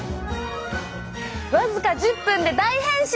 わずか１０分で大変身！